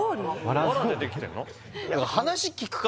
藁でできてるの？